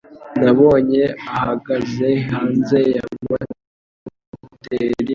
Nabonye ahagaze hanze ya motel ihendutse.